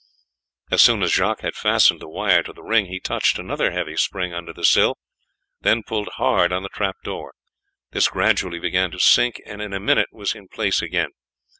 As soon as Jacques had fastened the wire to the ring he touched another heavy spring under the sill, then pulled hard on the trap door; this gradually began to sink, and in a minute was in its place again.